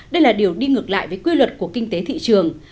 đây là điều đi ngược lại với quy luật của kinh tế thị trường